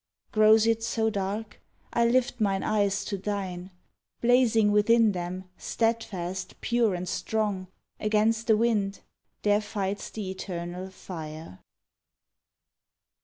Grows it so dark? I lift mine eyes to thine; Blazing within them, steadfast, pure, and strong, Against the wind there fights the eternal fire.